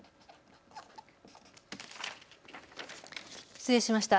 失礼しました。